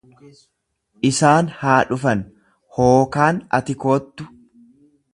Isaan haa dhufan hookaan ati koottu.